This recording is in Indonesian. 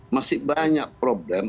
masih banyak problem